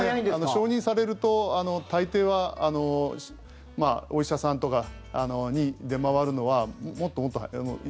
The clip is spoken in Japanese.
承認されると大抵はお医者さんに出回るのはもっともっと早い。